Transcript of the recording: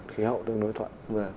khí hậu tương đối thuận